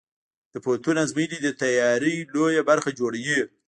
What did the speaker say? د پوهنتون ازموینې د تیاری لویه برخه جوړوي.